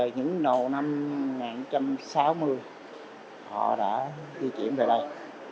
những nồ năm một nghìn chín trăm sáu mươi họ đã di chuyển về đây